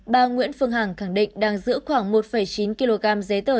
bà nguyễn phương hằng khẳng định đang giữ khoảng một chín kg giấy tờ